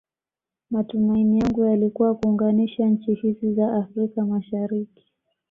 Matumaini yangu yalikua kuunganisha nchi hizi za Afrika mashariki